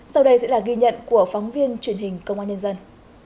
sau đây sẽ là ghi nhận của phóng viên truyền hình công an nhân dân